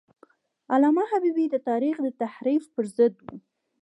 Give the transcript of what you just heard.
علامه حبیبي د تاریخ د تحریف پر ضد و.